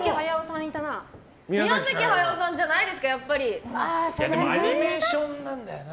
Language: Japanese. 宮崎駿さんじゃないですかでもアニメーションなんだよな。